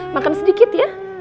makan sedikit ya